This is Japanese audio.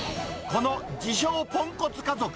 この自称ポンコツ家族。